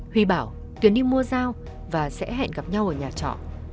huy bảo tuyền đi mua dao và sẽ hẹn gặp nguyễn văn huy